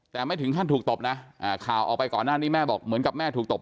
แต่ไม่ถึงขั้นถูกตบนะข่าวออกไปก่อนหน้านี้แม่บอกเหมือนกับแม่ถูกตบ